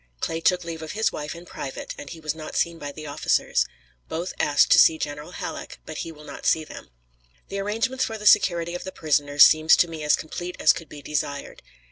Clay took leave of his wife in private, and he was not seen by the officers. Both asked to see General Halleck, but he will not see them. The arrangements for the security of the prisoners seem to me as complete as could be desired.